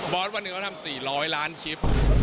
วันหนึ่งเขาทำ๔๐๐ล้านคลิป